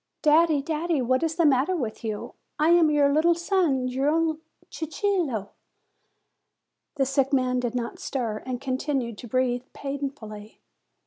"Daddy! daddy! What is the matter with you? I am your little son your own Cicillo." The sick man did not stir, and continued to breathe painfully.